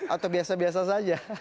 atau biasa biasa saja